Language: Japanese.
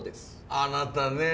あなたね。